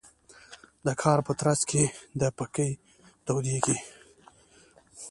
د کار په ترڅ کې د پکې تودیږي.